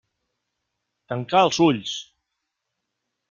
Tancà els ulls.